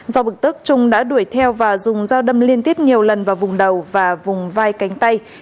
do bực tức trung đã đuổi theo và dùng dao đâm liên tiếp nhiều lần vào vùng đầu và vùng vai cánh tay